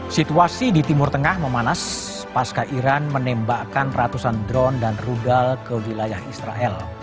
situasi di timur tengah memanas pasca iran menembakkan ratusan drone dan rudal ke wilayah israel